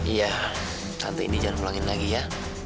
iya nanti ini jangan pulangin lagi ya